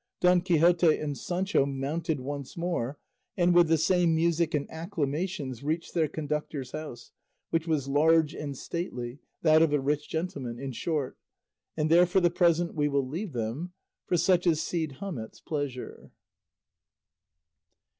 Don Quixote and Sancho mounted once more, and with the same music and acclamations reached their conductor's house, which was large and stately, that of a rich gentleman, in short; and there for the present we will leave them, for such is Cide Hamete's pleasure.